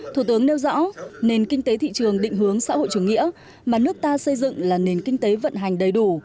thủ tướng nêu rõ nền kinh tế thị trường định hướng xã hội chủ nghĩa mà nước ta xây dựng là nền kinh tế vận hành đầy đủ